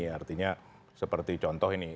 artinya seperti contoh ini